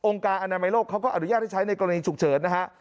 องค์การอนามัยโรคเขาก็อดูแลได้ใช้ในกรณีฉุกเฉินนะฮะ